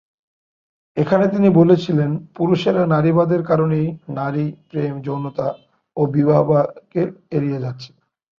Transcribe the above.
এখানে তিনি বলেছিলেন, পুরুষেরা নারীবাদের কারণেই নারী, প্রেম, যৌনতা ও বিবাহকে এড়িয়ে যাচ্ছে।